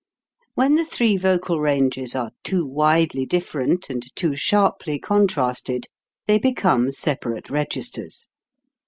When the three vocal ranges are too widely different and too sharply contrasted, they become separate registers.